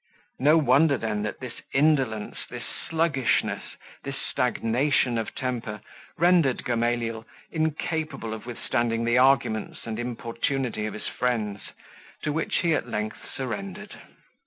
No wonder, then, that this indolence, this sluggishness, this stagnation of temper rendered Gamaliel incapable of withstanding the arguments and importunity of his friends, to which he at length surrendered.